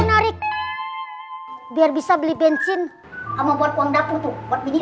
makanya lebih biar bisa beli bensin k lavon ondap untuk baru didapur